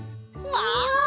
わ！